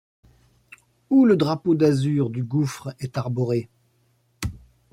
Où le drapeau d’azur du gouffre est arboré